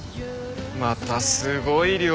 またすごい量。